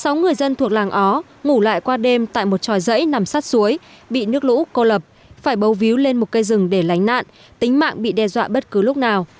sáu người dân thuộc làng ó ngủ lại qua đêm tại một tròi dãy nằm sát suối bị nước lũ cô lập phải bầu víu lên một cây rừng để lánh nạn tính mạng bị đe dọa bất cứ lúc nào